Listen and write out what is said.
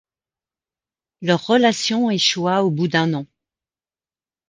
Leur relation échoua au bout d'un an.